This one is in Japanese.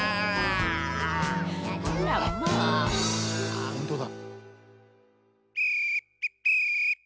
ほんとだ。